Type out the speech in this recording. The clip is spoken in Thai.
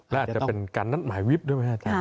และอาจจะเป็นการนั้นหมาวิพดิ์ด้วยไหมฮะท่าน